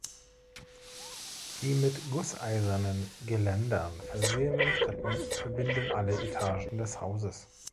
Die mit gusseisernen Geländern versehenen Treppen verbinden alle Etagen des Hauses.